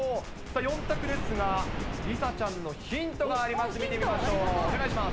さあ、４択ですが、梨紗ちゃんのヒントがあります、見てみましょう。